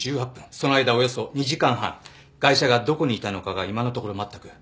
その間およそ２時間半ガイシャがどこにいたのかが今のところ全く。